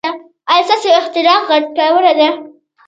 ایا ستاسو اختراع ګټوره ده؟